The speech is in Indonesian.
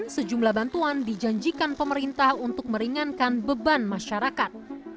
sejumlah bantuan dijanjikan pemerintah untuk meringankan beban masyarakat